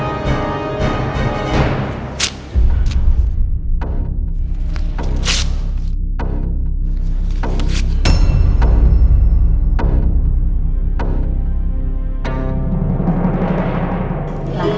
tadi aku berkata biblical